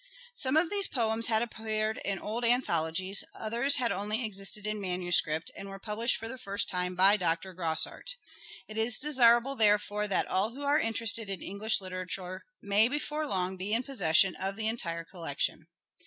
'' Some of these poems had appeared in old anthologies, others had only existed in manu script, and were published for the first time by Dr. Grosart. It is desirable, therefore, that all who are interested in English literature may before long be in possession of the entire collection.